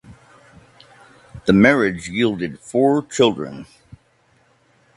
The marriage yielded four children.